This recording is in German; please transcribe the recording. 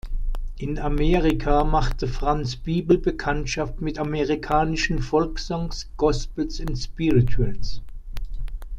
In Amerika machte Franz Biebl Bekanntschaft mit amerikanischen Folksongs, Gospels und Spirituals.